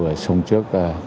ở sông trước